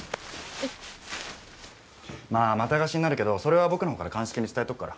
まあまた貸しになるけどそれは僕の方から鑑識に伝えとくから。